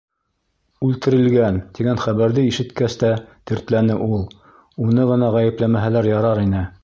Үлтерелгән, тигән хәбәрҙе ишеткәс тә тертләне ул. Уны ғына ғәйепләмәһәләр ярар ине.